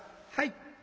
「はい」。